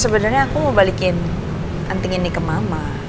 sebenarnya aku mau balikin anting ini ke mama